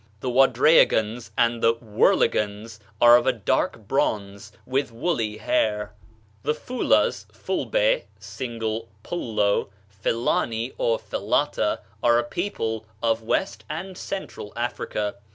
The Wadreagans and Wurgelans are of a dark bronze, with woolly hair." The Foolahs, Fulbe (sing. Pullo), Fellani, or Fellatah, are a people of West and Central Africa.